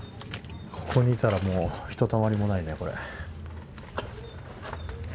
ここにいたら、ひとたまりもないね、これ。